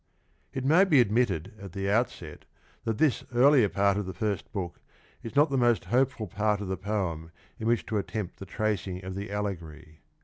It may be admitted at the outset that this earlier part of the first book is not the most hopeful part of the poem in which to attempt the tracing of the allegory.